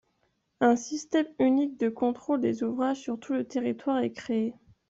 Un système unique de contrôle des ouvrages sur tout le territoire est créé.